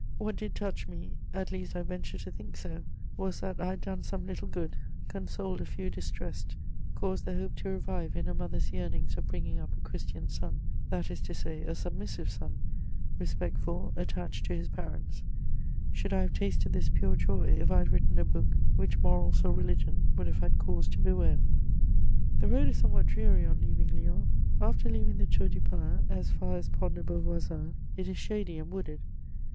What did touch me, at least I venture to think so, was that I had done some little good, consoled a few distressed, caused the hope to revive in a mother's yearnings of bringing up a Christian son: that is to say, a submissive son, respectful, attached to his parents. Should I have tasted this pure joy if I had written a book which morals or religion would have had cause to bewail? [Sidenote: My journey to Rome.] The road is somewhat dreary on leaving Lyons: after leaving the Tour du Pin, as far as Pont de Beauvoisin, it is shady and wooded.